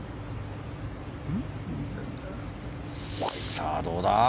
さあ、どうだ？